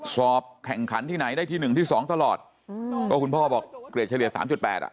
สอบแข่งขันที่ไหนได้ที่หนึ่งที่สองตลอดก็คุณพ่อบอกเกรดเฉลี่ย๓๘อะ